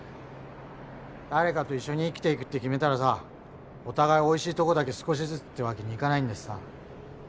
誰かと一緒に生きていくって決めたらさお互いおいしいとこだけ少しずつってわけにいかないんだしさ。